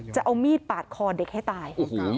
จะเอามีดปาดคอเด็กให้ตาย